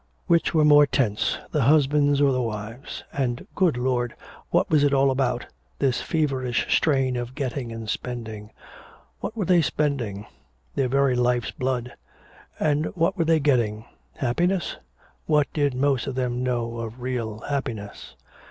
Which were more tense, the husbands or wives? And, good Lord, what was it all about, this feverish strain of getting and spending? What were they spending? Their very life's blood. And what were they getting? Happiness? What did most of them know of real happiness?